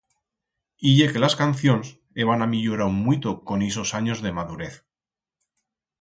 Y ye que las cancions heban amillorau muito con ixos anyos de madurez.